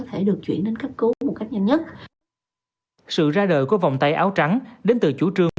thể được chuyển đến cấp cứu một cách nhanh nhất sự ra đời của vòng tay áo trắng đến từ chủ trương